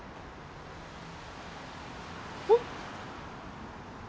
えっ？